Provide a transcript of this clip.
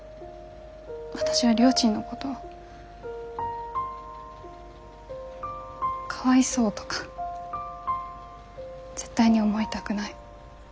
私はりょーちんのことかわいそうとか絶対に思いたくない。